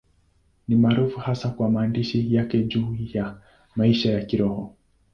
Ni maarufu hasa kwa maandishi yake juu ya maisha ya Kiroho.